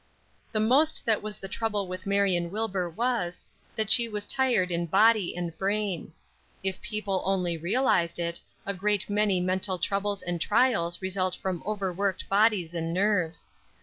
The most that was the trouble with Marion Wilbur was, that she was tired in body and brain. If people only realized it, a great many mental troubles and trials result from overworked bodies and nerves.